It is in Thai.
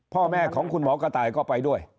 พ่อแม่ของคุณหมอกระต่ายก็ไปด้วย